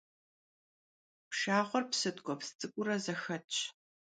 Pşşağuer psı tk'ueps ts'ık'uure zexetş.